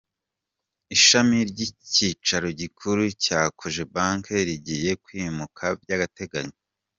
Ishami ry’icyicaro gikuru cya Cogebanque rigiye kwimuka by’agateganyo